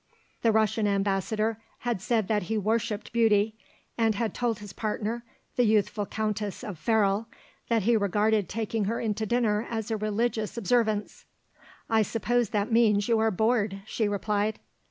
The Russian Ambassador had said that he worshipped beauty, and had told his partner, the youthful Countess of Ferrol, that he regarded taking her into dinner as a religious observance. "I suppose that means you are bored," she replied.